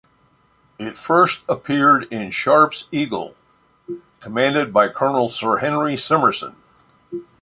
It first appeared in "Sharpe's Eagle", commanded by Colonel Sir Henry Simmerson.